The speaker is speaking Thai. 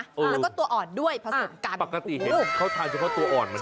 แล้วก็ตัวอ่อนด้วยประกัติเห็นเค้าทานเฉพาะตัวอ่อนมันหรอ